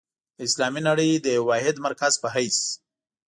د اسلامي نړۍ د یوه واحد مرکز په حیث.